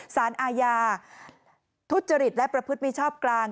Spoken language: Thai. สารอาญาทุจริตและประพฤติมิชอบกลาง